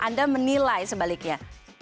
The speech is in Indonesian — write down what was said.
atau anda menilai sebaliknya